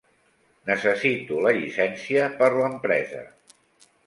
Necessito la llicència per l'empresa.